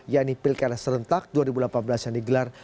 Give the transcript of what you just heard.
yaitu pilkara serentak dua ribu delapan belas yang digelar